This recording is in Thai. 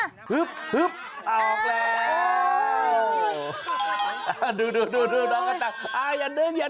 ออกแล้วดูน้องกระต่างอย่าดึงอย่าดึง